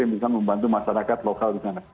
yang bisa membantu masyarakat lokal di sana